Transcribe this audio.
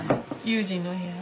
悠仁の部屋。